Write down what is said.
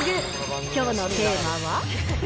きょうのテーマは。